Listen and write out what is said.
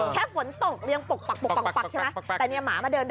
แล้วคุณเห็นหลังคาไหมหลังคาทสักสีอ่ะด๊อต